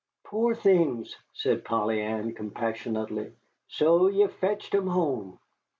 "Pore things!" said Polly Ann, compassionately. "So ye fetched 'em home."